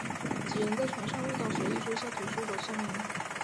几人在船上遇到决意追随屠苏的襄铃。